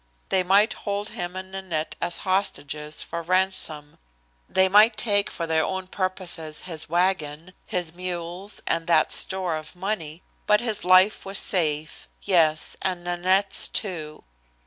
They might hold him and Nanette as hostages for ransom. They might take for their own purposes his wagon, his mules and that store of money, but his life was safe, yes, and Nanette's too.